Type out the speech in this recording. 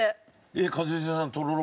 えっ一茂さんとろろ。